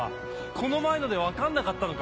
この前ので分かんなかったのか？